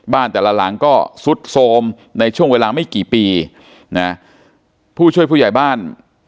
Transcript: แต่ละหลังก็ซุดโทรมในช่วงเวลาไม่กี่ปีนะผู้ช่วยผู้ใหญ่บ้าน